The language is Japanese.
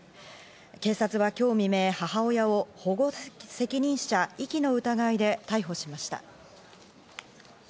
警察は今日未明、母親を保護責任者遺棄の疑いで逮捕しました。